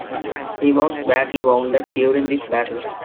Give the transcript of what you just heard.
He was badly wounded during this battle.